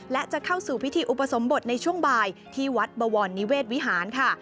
และจะเข้าสู่พิธีอุปสมบทในช่วงบ่ายที่วัดบวรนิเวศวิหารค่ะ